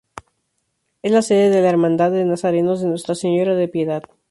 Es la sede de la Hermandad de Nazarenos de Nuestra Señora de la Piedad.